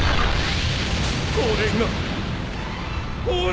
これがぁ！